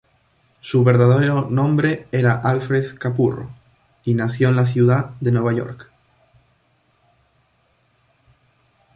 Su verdadero nombre era Alfred Capurro, y nació en la ciudad de Nueva York.